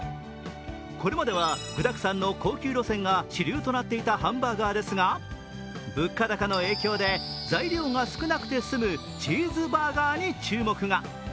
これまでは具だくさんの高級路線が主流となっていたハンバーガーですが物価高の影響で材料が少なくて済むチーズバーガーに注目が。